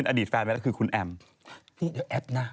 นี่เดี๋ยวแอ๊บนะ